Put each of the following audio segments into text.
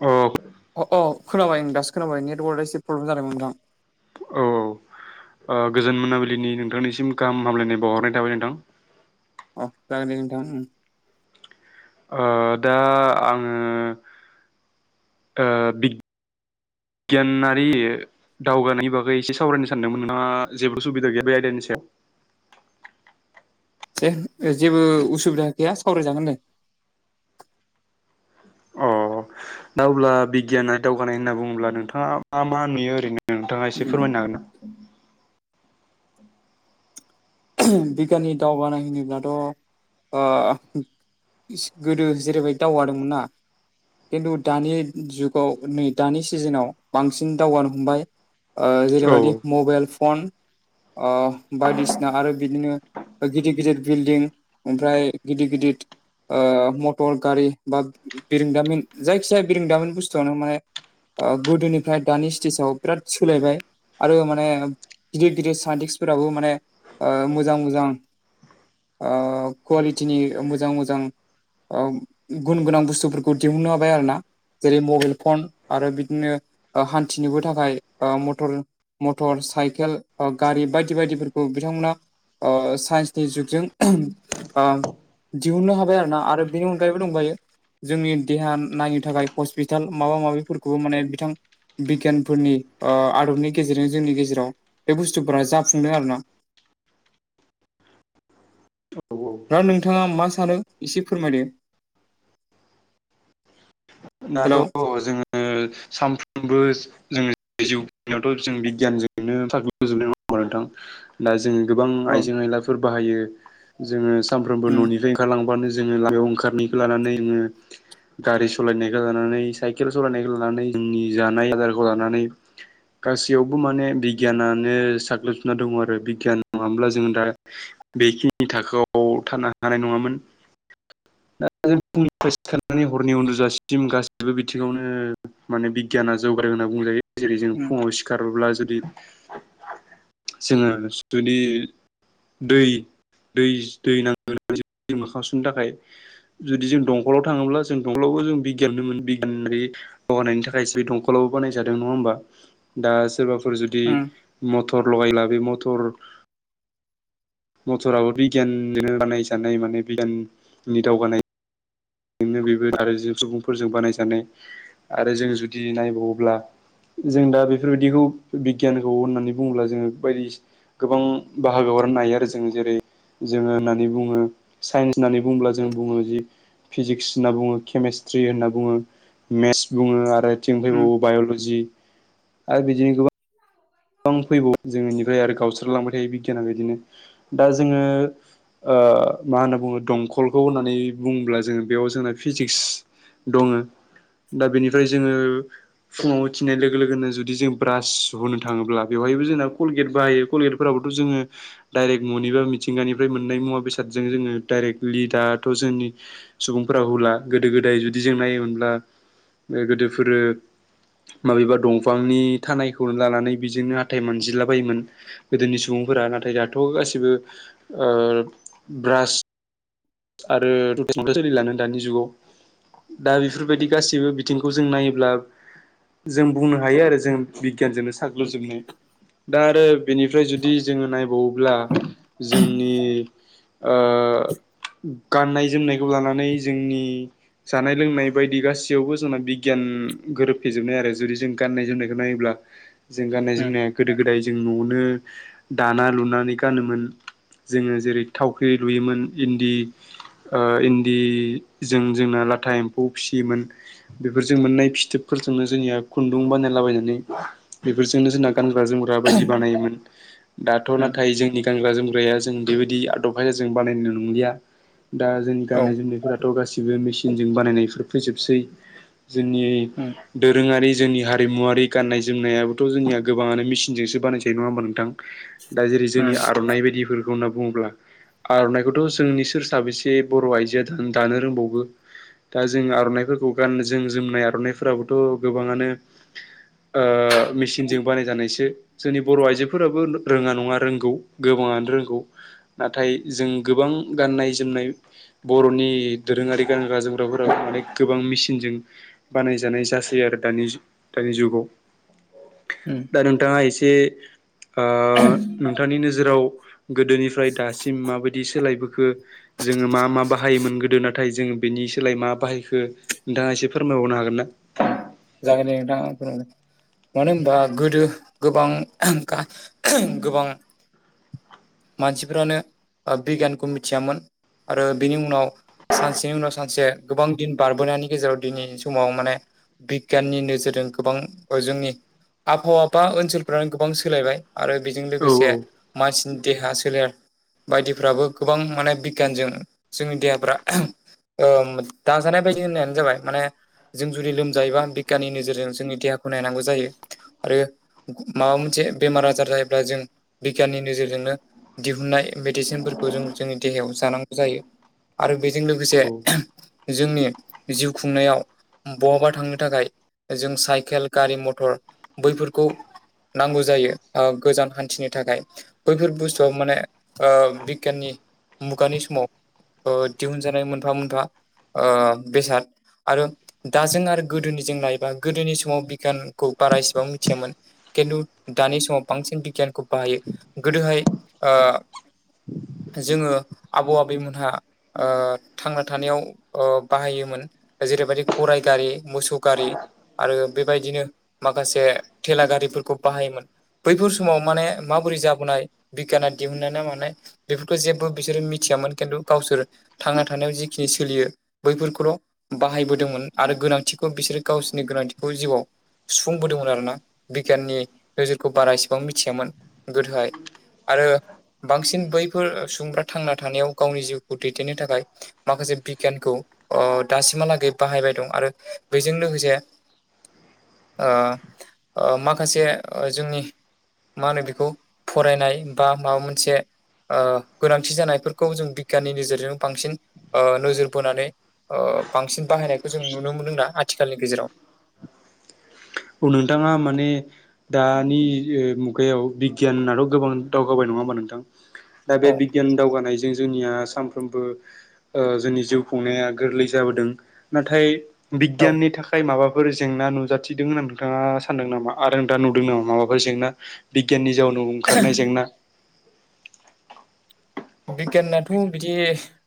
औ अ अह खोनाबाय आं दासो खोनाबाय नेटवारक एसे प्रब्लेम जाबाय नोंथां। औ ओ गोजोन मोनाबिलिनि नोंथांनिसिम गाहामलायनाय बावहरनाय थाबाय नोंथां। अ जागोन दे नोंथां ओं। ओ दा आङो ओ बिग गियान आरि ओ दावगानायनि बागै एसे सावरायनो सानदोंमोन नोंथांहा जेबो सुबिदा गैया बे आयदानि सायाव दे जेबो उसुबिदा गैया सावरायजागोन दे। अ दा अब्ला बिगियाना दावगानाय होनना बुङोब्ला नोंथाङा मा मा नुयो ओरैनो नोंथाङा एसे उम। फोरमायनो हागोन ना? [unintelligible] बिगियाननि दावगानायहोब्लाथ' ओ गोदो जेरैबायदि दावगादोंमोन ना खिन्थु दानि जुगाव नै दानि सिजोनाव बांसिन दावगानो हमबाय। ओ औ जेरैबायदि मबाइल फन ओ बायदिसि ना आरो बिदिनो गिदिर गिदिर बिल्डिं ओमफ्राय गिदिर गिदिर ओ मथर गारि बा बिरोंदामिन जायखिजाया बिरोंदामिन बुस्थुआनो माने ओ गोदोनिफ्राय दानि स्टेजाव बिराद सोलायबाय आरो माने गिदिर गिदिर साइन्टिस्टफोराबो माने ओ मोजां मोजां ओ कवालिटिनि मोजां मोजां ओ गुन गोनां बुस्थुफोरखौ दिहुननो हाबाय आरो ना जेरै मबाइल फन आरो बिदिनो हान्थिनोबो थाखाय मथर मटर साइकेल बा गारि बायदि बायदिफोरखौ बिथांमोना साइन्सनि ओ जुगजों बा दिहुननो हाबाय आरो ना आरो बेनि अनगायैबो दंबायो जोंनि देहा नायनो थाखाय हस्पिटाल माबा माबिफोरखौबो माने बिथां बिगियानफोरनि ओ आदबनि गेजेरजों जोंनि गेजेराव बे बुस्थुफोरा जाफुंदों आरोना औ दा नोंथाङा मा सानो एसे फोरमायदो दाथ' हेलौ जोङो सानफ्रोमबो जोंनि जिउ खुंनायावथ' जों बिगियानजोंनो साग्लोजोबनाय नोंथां दा जोङो गोबां औ आइजें आयलाफोर बाहायो जोङो सामफ्रोमबो उम न'निफ्राय ओंखारलांबानो जोङो लामायाव ओंखारनायखौ लानानै गारि सु सालायनायखौ लानानै साइकेल सालायनायखौ लानानै जोंनि जानाय आदारखौ लानानै गासैयावबो माने बिगियानानो साग्लोबजोबना दङ आरो बिगियान नङाब्ला जों दा बेखिनि थाखोआव थानो हानाय नङामोन दा जों फुंनिफ्राय सिखारनानै हरनि उन्दुजा सिम गासिबो बिथिङावनो माने बिगियाना जौगादों होनना बुंजायो जेरै जों उम फुङाव सि खारोब्ला जुदि जोङो जुदि दै दै दै नांगोन दै मोखां सुनो थाखाय जुदि जों दंखलाव थाङोब्ला जों दंखलावबो जों बिगियानोमोन बिगियानारि दावगानायनि थाखायसो बे दंखलाबो बानायजादों नङा होमबा दा सोरबाफोर जुदि उम मटर लगायब्ला बे मटर मथराबो बिगियाननिनो बानाय जानाय माने बिगियाननि दावगानाय बेनो बेबो आरो जों सुबुंफोरजों बानायजानाय आरो जों जुदि नायबावोब्ला जों दा बेफोरबायदिखौ बिगियानखौ होननानै बुङोब्ला जोङो बेफोर बायदि गोबां बाहागोआव राननो हायो आरो जों जेरै जोङो होननानै बुङो साइन्स होननानै बुङोब्ला जों बुङो जि फिजिक्स होनना बुङो केमेस्ट्रि होनना बुङो मेथ्स बुङो आरो जों उम फैबावो बायल'जि आरो बिदिनो गोबां गोबां फैबावो जोङोनिफ्राय आरो गावस्र लांबाय थायो बिगियाना बिदिनो दा जोङो ओ मा होनना बुङो दंखलखौ होननानै बुङोब्ला जोङो बेयाव जोंना फिजिक्स दङो दा बेनिफ्राय जोङो फुङाव उथिनाय लोगो लोगोनो जुदि जों ब्रास हुनो थाङोब्ला बेवहायबो जोंना कलगेट बाहायो कलगेटफोराबोथ' जोङो डाइरेक्ट न'निबा मिथिंगानिफ्राय मोननाय मुवा बेसादजों जोङो डाइरेक्टलि दाथ' जोंनि सुबुंफोरा अब्ला गोदो गोदाय जुदि जों नायोमोनब्ला गोदोफोरो माबेबा दंफांनि थानायखौ लानानै बेजोंनो हाथाय मोनजिलाबायोमोन गोदोनि सुबुंफोरा नाथाय दाथ' गासिबो ओ ब्रास आरोथ' सोलिलानो दानि जुगाव दा बेफोरबायदि गासिबो बिथिं खौ जों नायोब्ला जों बुंनो हायो आरो जों बिगियानजोंनो साग्लोबजोबनाय दा आरो बेनिफ्राय जुदि जोङो नायबावोब्ला जोंनि ओ गाननाय जोमनायखौ लानानै जोंनि जानाय लोंनाय बायदि गासैयावबो जोंना बिगियान गोरोबफ्लेजोबनाय आरो जुदि जों गाननाय जोमनायखौ नायोब्ला जों गाननाय उम जोमनाया गोदो गोदाय जों न'आवनो दाना लुनानै गानोमोन जोङो जेरै थावख्रि लुयोमोन इन्दि ओ इन्दि जों जोंना लाथा एम्फौ फिसियोमोन बेफोरजों मोननाय फिथोबफोरजोंनो जोंनिया खुन्दुं बानाय बायनानै बेफोरजोंनो जोंना गानग्रा जोमग्रा बायदि बानायोमोन दाथ' उम नाथाय जोंनि गानग्रा जोमग्राया जों बेबायदि आदब खायदाजों बानायनाय नंलिया दा जों औ गाननाय जोमनायफोरा दाथ' गासिबो मेसिनजों बानायनायफोर फैजोबसै जोंनि उम दोरोङारि जोंनि हारिमुवारि गाननाय जोमनायाबोथ' जोंनिया गोबाङानो मेसिनजोंसो बानायजायो नङा होमबा नोंथां दा जेरै जोंनि उम आर'नाइ बायदिफोरखौ होनना बुङोब्ला आर'नाइ बेखौथ' जोंनि सोर साबेसे बर' आइजोआ दानो रोंबावगो दा जों आर'नाइफोरखौ गाननो जों जोमनाय आर'नाइफोराबोथ' गोबाङानो ओ मेसिनजों बानायजानायसो जोंनि बर' आइजोफोराबो रोङा नङा रोंगौ गोबाङानो रोंगौ नाथाय जों गोबां गाननाय जोमनाय बर'नि दोरोङारि गानग्रा जोमग्राफोराबो माने गोबां मेसिनजों बानायजानाय जासै आरो दानि दानि जुगाव उम दा नोंथाङा एसे आ नोंथांनि नोजोराव गोदोनिफ्राय दासिम माबायदि सोलायबोखो जोङो मा मा बाहायोमोन गोदो नाथाय जोङो बेनि सोलाय मा बाहायखो नोंथाङा एसे फोरमायबावनो हागोन ना ओम जागोन दे नोंथां आं फोरमायगोन मानो होनबा गोदो गोबां [unintelligible] गोबां मानसिफ्रानो बिगियानखौ मिथियामोन आरो बिनि उनाव सानसेनि उनाव सानसे गोबां दिन बारबोनायनि गेजेराव दिनैनि समाव माने बिगियाननि नोजोरजों गोबां अ जोंनि आबहावा बा ओनसोलफ्रानो गोबां सोलायबाय आरो बेजों औ लोगोसे मानसिनि देहा सोलेर बायदिफ्राबो गोबां माने बिगियानजों जोंनि देहाफ्रा ओम दाजानाय बायदि होननायानो जाबाय माने जुलि लोमजायोबा बिगियाननि नोजोरजों जोंनि देहाखौ नायनांगौ जायो आरो माबा मोनसे बेमार आजार जायोब्ला जों बिगियाननि नोजोरजोंनो दिहुननाय मेडिसिनफोरखौ जों जोंनि देहायाव जानांगौ जायो आरो बेजों लोगोसे औ जोंनि जिउ खुंनायाव बहाबा थांनो थाखाय जों साइकेल गारि मथर बैफोरखौ नांगौ जायो गोजान हान्थिनो थाखाय बैफोर बुस्थुआबो माने बिगियाननि मुगानि समाव अ दिहुनजानाय मोनफा मोनफा बेसाद आरो दाजों आरो गोदोनिजों लायोबा गोदोनि समाव बिगियानखौ बारा एसेबां मिथियामोन किनतु दानि समाव बांसिन बिगियानखौ बाहायो गोदोहाय जोङो आबौ आबैमोनहा थांना थानायाव बाहायोमोन जेरैबायदि गराय गारि मोसौ गारि आरो बेबायदिनो माखासे थेला गारिफोरखौ बाहायोमोन बैफोर समाव माने माबोरै जाबोनाय बिगियाना दिहुननाय ना मानाय बेफोरखौ जेबो बिसोरो मिथियामोन खिन्थु गावसोर थांना थानायाव जिखिनि सोलियो बैफोरखौल' बाहायबोदोंमोन आरो गोनांथिखौ बिसोरो गावसोरनि गोनांथिखौ जिउआव सुफुंबोदोंमोन आरोना बिगियाननि नोजोरखौ बारा एसेबां मिथियामोन गोदोहाय आरो बांसिन बैफोर सुबुंफ्रा थांना थानायाव गावनि जिउखौ दैदेननो थाखाय माखासे बिगियानखौ आ दासिमहालागै बाहायबाय दं आरो बेजों लोगोसे आ माखासे जोंनि मा होनो बेखौ फरायनाय बा माबा मोनसे आ गोनांथि जानायफोरखौ जों बिगियाननि नोेजेरजों बांसिन ओ नोजोर बोनानै ओ बांसिन बाहायनायखौ जों नुनो मोनदों ना आथिखालनि गेजेराव औ नोंथाङा माने दानि मुगायाव बिगियानथ' गोबां दावगाबाय नङा होमबा नोंथां दा बे औ बिगियान दावगानायजों जोंनिया सानफ्रोमबो ओ जोंनि जिउ खुंनाया गोरलै जाबोदों नाथाय औ बिगियाननि थाखाय माबाफोर जेंना नुजाथि दों होनना नोंथाङा सानदों नामा आरो नोंथा नुदों नामा माबाफोर जेंना बिगियाननि जाउ नाव ओंखारनाय जेंना बिगियानथ' बिदि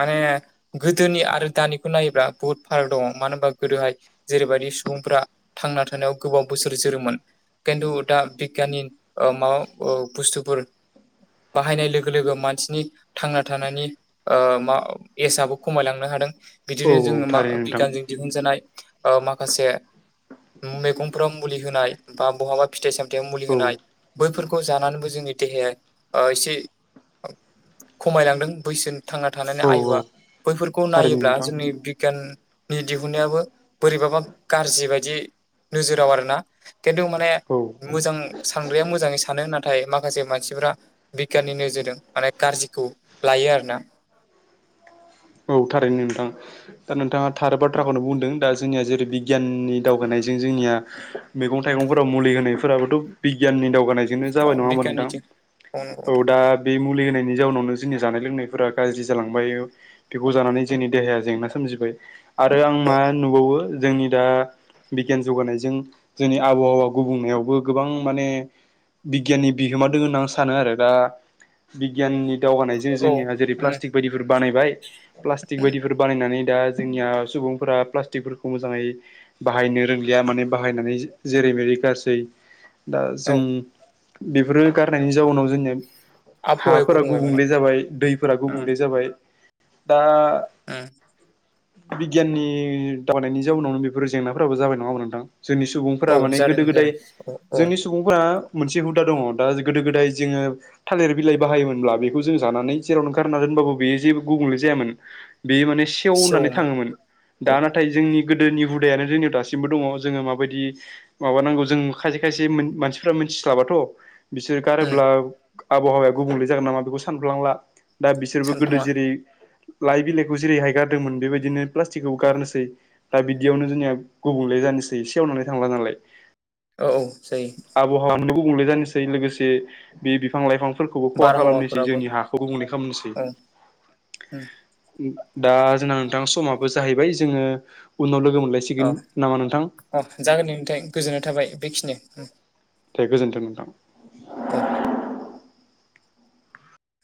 माने गोदोनि आरो दानिखौ नायोब्ला बुहुत फाराग दङ मानो होनबा गोदोहाय जेरैबायदि सुबुंफ्रा थांना थानायाव गोबाव बोसोर जोरोमोन खिन्थु दा बिगियाननि ओ माबा औ बुस्थुफोर बाहायनाय लोगो लोगो मानसिनि थांना थानायनि ओ मा एसआबो खमायलांनो हादों औ बिदिनो जोङो मा थारैनो नोंथां बिगियानजों दिहुनजानाय ओ माखासे मैगंफोराव मुलि होनाय बा बहाबा फिथाइ सामथायाव मुलि औ होनाय औ बैफोरखौ जानानैबो जोंनि देहाया ओ एसे खमायलांदों बैसो थांना थानानै आयुआ बैफोरखौ थारैनो नायोब्ला नोंथां जोंनि बिगियान नि दिहुन्नायाबो बोरैबाबा गाज्रि बायदि नोजोराव आरोना खिन्थु माने औ मोजां सानग्राया मोजाङै सानो नाथाय माखासे मानसिफ्रा बिगियाननि नोजोरजों माने गाज्रिखौ लायो आरोना औ थारैनो नोंथां दा नोंथाङा थारो बाथ्राखौनो बुंदों दा जोंनिया जेरै बिगियाननि दावगानायजों जोंनिया मैगं थाइगंफोराव मुलि होनायफोराबोथ' बिगियाननि दावगानायजोंनो जाबाय औ नङा होमबा नोंथां बिगियाननिथिं नंगौ औ नोंथां दा बे मुलि होनायनि जाउनावनो जोंनि जानाय लोंनायफोरा गाज्रि जालांबायो बेखौ जानानै जोंनि देहाया जेंना सोमजिबाय आरो आं औ मा नुबावो जोंनि दा बिगियान जौगानायजों जोंनि आबहावा गुबुंनायावबो गोबां माने बिगियाननि बिहोमा दोङो होनना आं सानो आरो दा बिगियाननि दावगानायजों औ जोंनिया जेरै उम प्लास्टिक बायदिफोर बानायबाय प्लासटिक उम बायदिफोर बानायनानै दा जोंनिया सुबुंफोरा प्लास्टिकफोरखौ मोजाङै बाहायनो रोंलिया माने बाहायनानै जेरै मेरै गारसै दा औ जों बेफोरो गारनायनि जाउनाव जोंनिया आबहावाया हाफोरा माने गुबुंले जाबाय दैफोरा उम गुबुंले जाबाय दा ओ बिगियाननि दावगानायनि जाउनावनो बेफोर जेंनाफोराबो जाबाय नङा होमबा नोंथां जोंनि सुबुंफोरा औ माने जादों गोदो गोदाय जादों औ औ जोंनि सुबुंफोरा मोनसे हुदा दङ दा गोदो गोदाय जोङो थालिर बिलाइ बाहायोमोनब्ला बेखौ जों जानानै जेराव गारना दोनबाबो बेयो जेबो गुबुंले जायामोन बे माने सेवनानै सेवोमोन थाङोमोन औ दा नाथाय जोंनि गोदोनि हुदायानो जोंनियाव दासिमबो दङ जोङो माबायदि माबानांगौ जों खायसे खायसे मानसिफ्रा मिथिस्लाबाथ' बिसोर उम गारोब्ला आबहावाया गुबुंले जागोन नामा बेखौ सानफ्लांला दा बिसोरबो गोदो सानफ्लाङा जेरै लाइ बिलाइखौ जेरैहाय गारदोंमोन बेबायदिनो प्लास्टिकखौ गारनोसै दा बिदियावनो जोंनिया गुबुंले जानोसै सेवनानै थांला नालाय औ औ जायो आबहावाया गुबुंले जानोसै लोगोसे बे बिफां लाइफांफोरखौबो खहा खालामनोसै बारहावाफोराबो जोंनि हाखौ गुबुंले खालामनोसै औ उम, दा जोंना नोंथां समाबो जाहैबाय जोंङो उनाव लोगो मोनलायसिगोन नामा नोंथां अह जागोन दे नोंथां गोजोननाय थाबाय बेखिनि [unintelligible] गोजोन्थों नोंथां औ